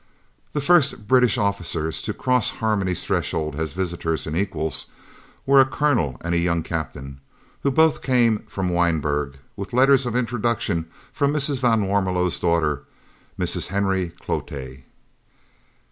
The first British officers to cross Harmony's threshold as visitors and equals were a colonel and a young captain, who both came from Wynberg with letters of introduction from Mrs. van Warmelo's daughter, Mrs. Henry Cloete.